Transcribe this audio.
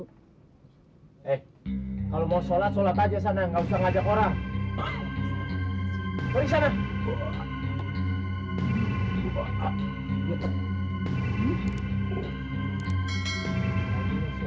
eh kalau mau sholat sholat aja saja